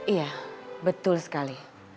iya betul sekali